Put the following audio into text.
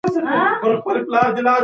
مخکي له دې چي فساد وسي، د دولت بری دی.